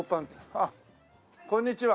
あっこんにちは。